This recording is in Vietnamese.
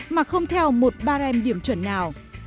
mà không theo một ba em điểm chuẩn nào